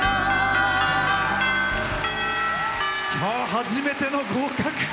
初めての合格。